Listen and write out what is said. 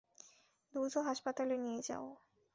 দ্রুত হাসপাতালে নিয়ে যাও।